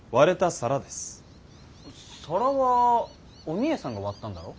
皿はお三枝さんが割ったんだろ？